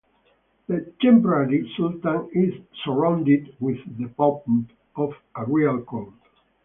The temporary sultan is surrounded with the pomp of a real court.